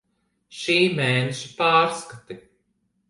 Šī mēneša pārskati.